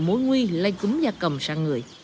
mối nguy lây cúm da cầm sang người